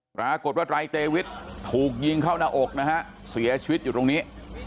ปรากฏว่าไตรเตวิทถูกยิงเข้าหน้าอกนะฮะเสียชีวิตอยู่ตรงนี้